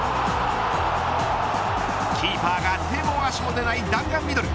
キーパーが手を足も出ない弾丸ミドル。